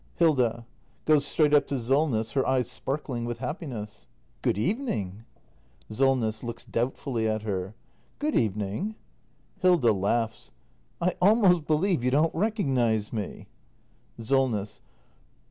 Hilda. [Goes straight up to Solness, her eyes sparkling with happiness.] Good evening! Solness. [Looks doubtfully at her.] Good evening Hilda. I almost believe you don't recognise me! Solness.